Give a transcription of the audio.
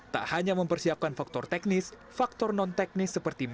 tak hanya mempersiapkan faktor teknis faktor non teknis seperti bisnis